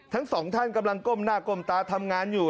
ทั้งสองท่านกำลังก้มหน้าก้มตาทำงานอยู่